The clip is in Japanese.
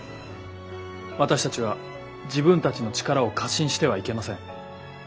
私たちは自分たちの力を過信してはいけません。